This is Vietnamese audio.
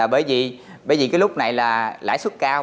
bởi vì cái lúc này là lãi suất cao